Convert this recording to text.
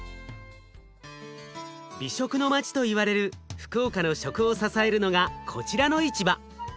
美食の街といわれる福岡の食を支えるのがこちらの市場。